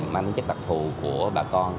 mánh chất đặc thù của bà con